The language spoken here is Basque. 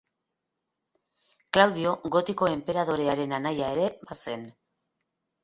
Klaudio Gotiko enperadorearen anaia ere bazen.